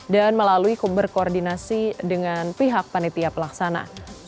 dan melalui keberkoordinasi dengan pihak panitia pelaksanaan